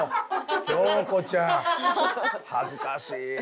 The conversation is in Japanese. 京子ちゃん。恥ずかしい。